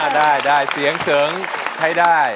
หน้าได้ได้เสียงเสริงให้ได้